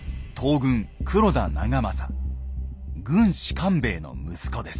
軍師官兵衛の息子です。